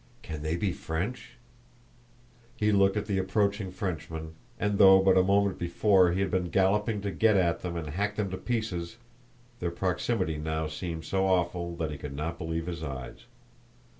"Can they be French?" He looked at the approaching Frenchmen, and though but a moment before he had been galloping to get at them and hack them to pieces, their proximity now seemed so awful that he could not believe his eyes.